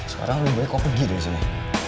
sekarang lebih baik kau pergi dari sini